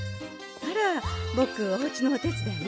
あらぼくおうちのお手伝い？